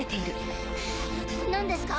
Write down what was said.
何ですか？